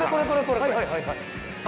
はいはいはいはい。